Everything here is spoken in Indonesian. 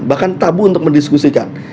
bahkan tabu untuk mendiskusikan